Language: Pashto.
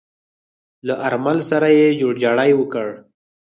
له آرمل سره يې جوړجاړی وکړ.